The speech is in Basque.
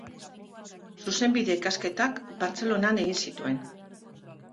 Zuzenbide ikasketak Bartzelonan egin zituen.